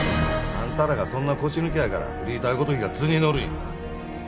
あんたらがそんな腰抜けやからフリーターごときが図に乗るんや。